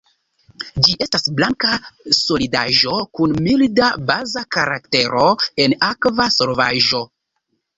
Ĝi estas blanka solidaĵo kun milda baza karaktero en akva solvaĵo.